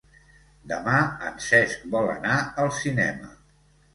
Demà en Cesc vol anar al cinema.